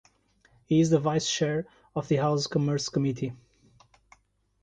He is the vice chair of the House Commerce Committee.